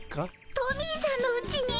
トミーさんのうちに？